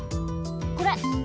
これ。